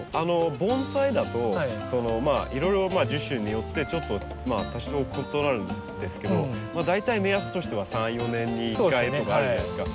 盆栽だといろいろ樹種によってちょっと多少異なるんですけど大体目安としては３４年に１回とかあるじゃないですか。